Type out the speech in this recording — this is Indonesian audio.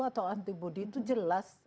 atau antibody itu jelas